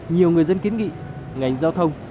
nhiều người dân kiến nghị ngành giao thông